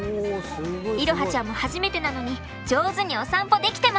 彩羽ちゃんも初めてなのに上手にお散歩できてます！